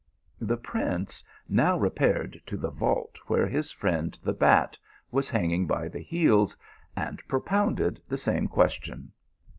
The prince now repaired to the vault where his friend the bat was hanging by the heels, and pio pounded the same question.